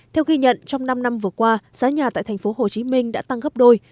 theo ghi nhận trong năm năm vừa qua giá nhà tại tp hcm đã tăng gấp đôi